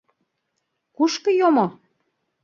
Кушко йомо?